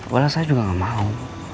walau saya juga enggak mau